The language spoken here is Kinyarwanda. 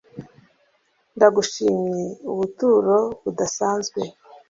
Ndagushimye ubuturo budasanzwe